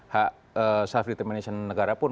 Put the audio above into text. hak self detemation negara pun